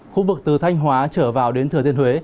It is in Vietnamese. khu vực từ thanh hóa trở vào đến thừa thiên huế